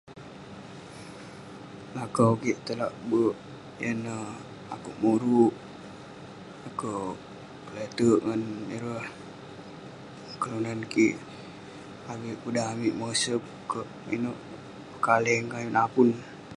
Lakau kik tai lak bek yan ne akeuk moruk, akeuk kelete'erk ngan ireh kelunan kik avik pe dan amik mosep kek ineuk pekaleng ke ayuk napun.